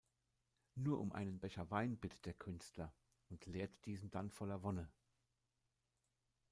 Nur um einen Becher Wein bittet der Künstler und leert diesen dann voller Wonne.